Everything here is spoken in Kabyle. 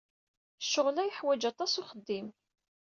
Ccɣel-a yeḥwaj aṭas n uxeddim.